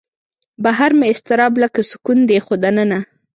بهر مې اضطراب لکه سکون دی خو دننه